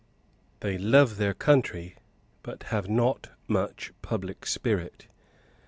They love their country, but have not much public spirit.